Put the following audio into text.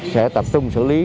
sẽ tập trung xử lý